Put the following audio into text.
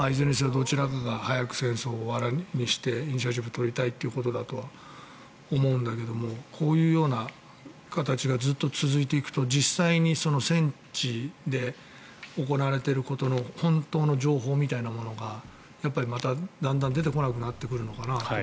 どちらかが戦争を終わりにしてイニシアチブを取りたいということだとは思うんだけどこういうような形がずっと続いていくと実際に戦地で行われていることの本当の情報みたいなものがまただんだん出てこなくなってくるのかなと。